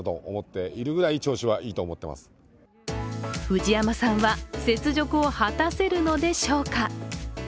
藤山さんは雪辱を果たせるのでしょうか。